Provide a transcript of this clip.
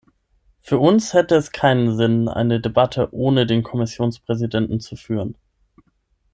Für uns hätte es keinen Sinn, eine Debatte ohne den Kommissionspräsidenten zu führen.